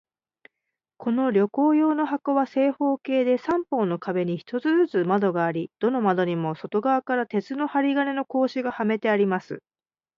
この旅行用の箱は、正方形で、三方の壁に一つずつ窓があり、どの窓にも外側から鉄の針金の格子がはめてあります。